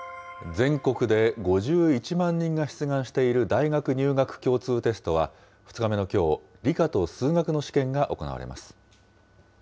全国で５１万人が出願している大学入学共通テストは、２日目のきょう、理科と数学の試験が行われます。